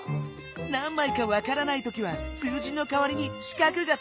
何まいかわからないときは数字のかわりに四角がつかえるよ！